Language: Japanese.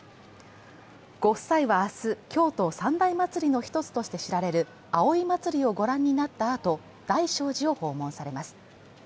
ご夫妻は明日、京都三大祭りの１つとして知られる葵祭をご覧になったあと、大聖寺を訪問されます。